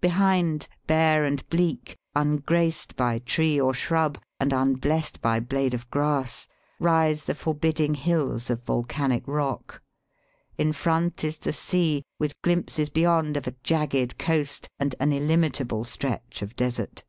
Behind, bare and bleak, ungraced by tree or shrub and unblessed by blade of grass, rise the forbidding hills of vol canic rock. In front is the sea, with glimpses beyond of a jagged coast and an illimitable stretch of desert.